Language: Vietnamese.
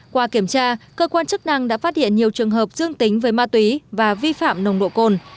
qua kiểm tra cơ quan chức năng đã phát hiện nhiều trường hợp dương tính với ma túy và vi phạm nồng độ cồn